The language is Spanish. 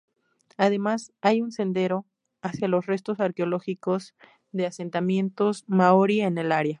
Además hay un sendero hacia los restos arqueológicos de asentamientos maorí en el área.